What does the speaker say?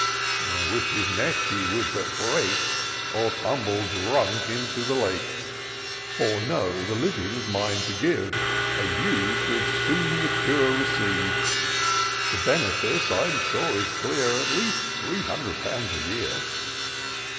I wish his neck he would but break, Or tumble drunk into the Lake ! For, know, the living's mine to give, And you should soon the cure receive: The benefice, I'm sure, is clear At least three hundred pounds a year."